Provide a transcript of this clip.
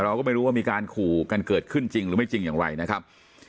เราก็ไม่รู้ว่ามีการขู่กันเกิดขึ้นจริงหรือไม่จริงอย่างไรนะครับ